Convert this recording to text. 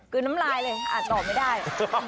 ต้องอ่านลายเลยอ่านต่อไม่ได้